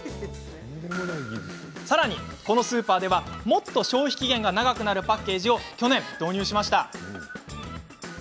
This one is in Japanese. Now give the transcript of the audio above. さらにこのスーパーではもっと消費期限が長くなるパッケージを去年、導入しました。